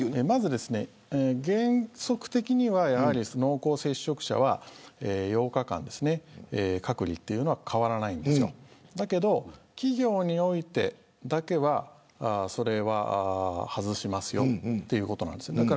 まずですね、原則的には濃厚接触者は８日間隔離というのは、変わらないんですよだけど、企業においてだけはそれは外しますよということなんですよ。